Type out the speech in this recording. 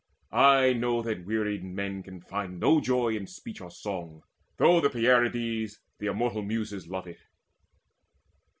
I know that wearied men can find no joy In speech or song, though the Pierides, The immortal Muses, love it.